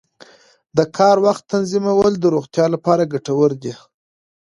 د کار وخت تنظیمول د روغتیا لپاره ګټور دي.